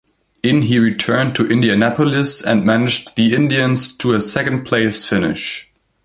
In he returned to Indianapolis and managed the Indians to a second-place finish.